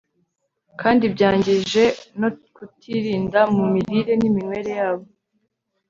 kandi byangijwe no kutirinda mu mirire n'iminywere yabo